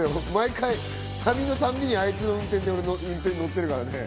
毎回、旅の度にあいつの運転で俺乗ってるからね。